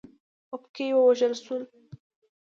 اوپکي ووژل شول.